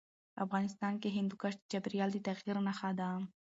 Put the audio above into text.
افغانستان کې هندوکش د چاپېریال د تغیر نښه ده.